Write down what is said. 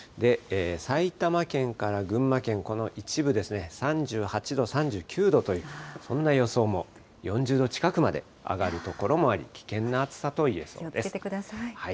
埼玉県から群馬県、この一部、３８度、３９度という、そんな予想も、４０度近くまで上がる所もあり、危険な暑さといえ気をつけてください。